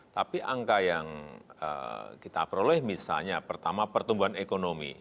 tapi angka yang kita peroleh misalnya pertama pertumbuhan ekonomi